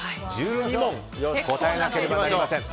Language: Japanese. １２問、答えなければなりません。